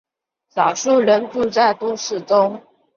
少数人住在都市中。